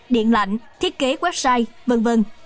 điện lạnh thiết kế website v v